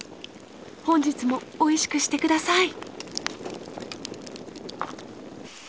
本日もおいしくしてください！